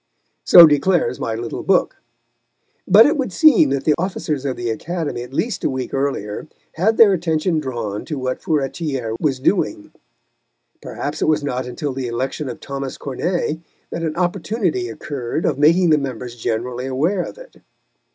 So declares my little book; but it would seem that the officers of the Academy at least a week earlier had their attention drawn to what Furetière was doing. Perhaps it was not until the election of Thomas Corneille that an opportunity occurred of making the members generally aware of it.